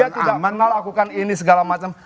dia tidak pernah lakukan ini segala macam